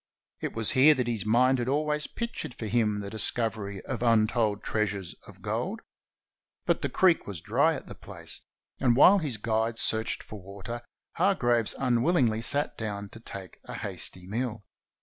It was here that his mind had always pictured for him the discovery of untold treasures of gold. But the creek was dry at the place, 486 GOLD, GOLD, GOLD! and, while his guide searched for water, Hargraves unwillingly sat down to take a hasty meal.